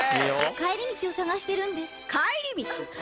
帰り道を探してるんです帰り道？